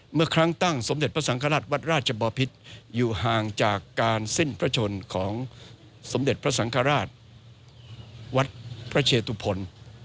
เมื่อครั้งตั้งสมเด็จพระสังฆราชวัดราชบอพิษอยู่ห่างจากการสิ้นพระชนของสมเด็จพระสังฆราชวัดพระเชตุพล